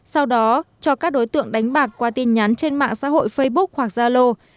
sau đó cho các đối tượng đánh bạc qua tin nhắn trên mạng xã hội facebook hoặc zalo